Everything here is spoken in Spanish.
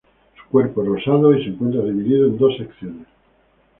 Su cuerpo es rosado y se encuentra dividido en dos secciones.